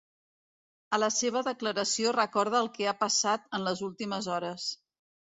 A la seva declaració recorda el que ha passat en les últimes hores.